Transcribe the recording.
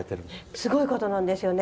すごい方なんですよね。